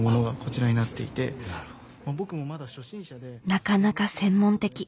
なかなか専門的。